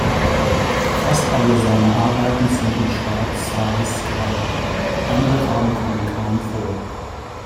Fast alle seine Arbeiten sind in Schwarz-Weiß gehalten, andere Farben kommen kaum vor.